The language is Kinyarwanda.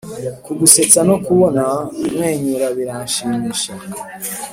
kugusetsa no kubona umwenyura biranshimisha